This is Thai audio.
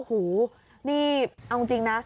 หูนี่เอาจริงนะ